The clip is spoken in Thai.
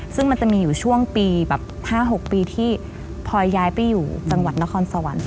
ซึ่งมันจะมีอยู่ช่วงปีแบบ๕๖ปีที่พลอยย้ายไปอยู่จังหวัดนครสวรรค์